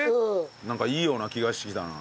なんかいいような気がしてきたな。